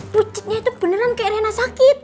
pucuknya itu beneran kayak rena sakit